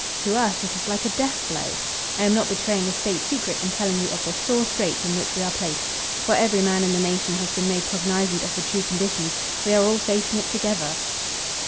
To us it is like a death blow. I am not betraying a state secret in telling you of the sore straits in which we are placed, for every man in the nation has been made cognizant of the true conditions. We are all facing it together."